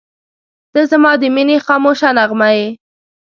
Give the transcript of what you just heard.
• ته زما د مینې خاموشه نغمه یې.